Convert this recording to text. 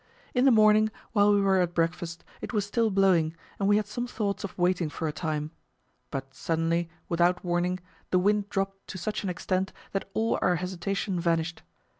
In the morning, while we were at breakfast, it was still blowing, and we had some thoughts of waiting for a time; but suddenly, without warning, the wind dropped to such an extent that all our hesitation vanished.